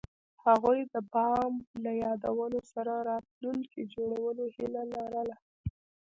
هغوی د بام له یادونو سره راتلونکی جوړولو هیله لرله.